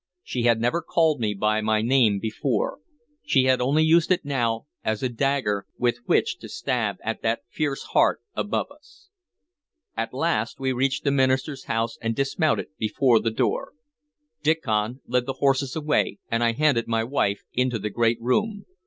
She had never called me by my name before. She had only used it now as a dagger with which to stab at that fierce heart above us. At last we reached the minister's house, and dismounted before the door. Diccon led the horses away, and I handed my wife into the great room.